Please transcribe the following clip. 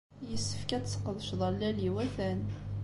Yessefk ad tesqedceḍ allal iwatan.